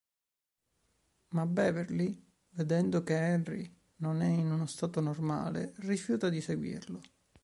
Ma Beverly, vedendo che Henry non è in uno stato normale, rifiuta di seguirlo.